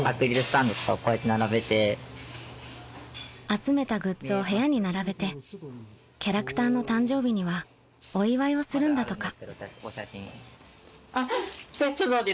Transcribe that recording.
［集めたグッズを部屋に並べてキャラクターの誕生日にはお祝いをするんだとか］